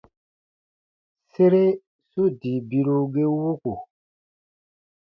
Sere su dii biru ge wuku.